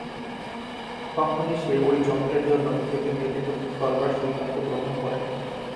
তখনই সে ঐ যন্ত্রের জন্য নিজেকে নিয়োজিত করবার সিদ্ধান্ত গ্রহণ করেন।